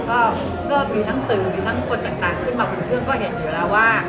ก็มีทั้งสื่อมีทั้งคนต่างขึ้นมาอุ่นเครื่องก็เห็นอยู่แล้วว่า